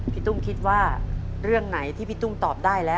ตุ้มคิดว่าเรื่องไหนที่พี่ตุ้มตอบได้แล้ว